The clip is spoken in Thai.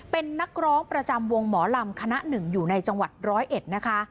เป็นนักร้องประจำวงหมอลำคณะหนึ่งอยู่ในจังหวัดร้อยเอ็ดนะคะ